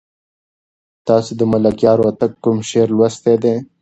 تاسو د ملکیار هوتک کوم شعر لوستی دی؟